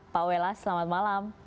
pak welas selamat malam